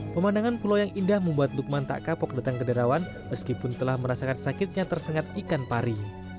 pemandangan pulau yang indah membuat lukman tak kapok datang ke derawan meskipun telah merasakan sakitnya tersengat ikan pari